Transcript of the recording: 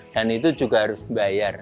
dan itu juga harus dibayar